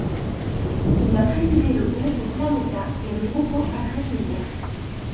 Il a présidé le Grupo Planeta et le Grupo Atresmedia.